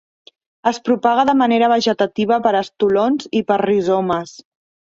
Es propaga de manera vegetativa per estolons i per rizomes.